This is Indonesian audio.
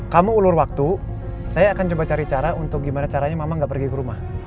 kamu ulur waktu saya akan coba cari cara untuk gimana caranya mama gak pergi ke rumah